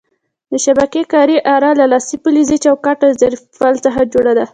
د شبکې کارۍ اره له لاسۍ، فلزي چوکاټ او ظریف پل څخه جوړه ده.